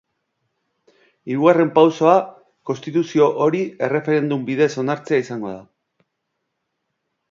Hirugarren pausoa konstituzio hori erreferendum bidez onartzea izango da.